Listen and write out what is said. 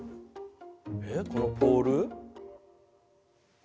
えっこのポール？